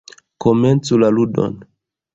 Komencu la ludon!